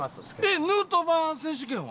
えっヌートバー選手権は？